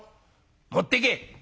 持ってけ」。